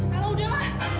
kalau udah lah